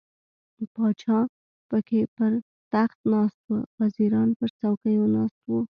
پاچا پکې پر تخت ناست و، وزیران پر څوکیو ناست وو.